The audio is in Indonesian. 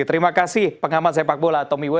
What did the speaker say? terima kasih pengamat sepak bola tommy we